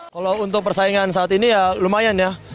kalau untuk persaingan saat ini ya lumayan ya